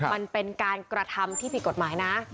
มันเป็นการกระทำที่ผิดกฎหมายนะ